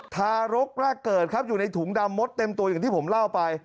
ทารกแรกเกิดครับอยู่ในถุงดำมดเต็มตัวอย่างที่ผมเล่าไป